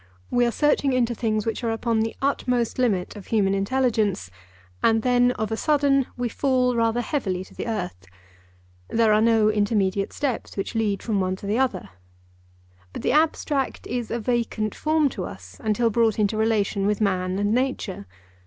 We are searching into things which are upon the utmost limit of human intelligence, and then of a sudden we fall rather heavily to the earth. There are no intermediate steps which lead from one to the other. But the abstract is a vacant form to us until brought into relation with man and nature.